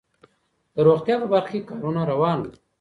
د روغتيا په برخه کي کارونه روان وو.